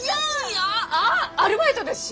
あっアルバイトですし。